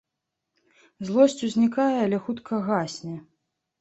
Злосць узнікае, але хутка гасне.